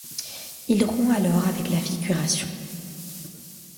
Il rompt alors avec la figuration.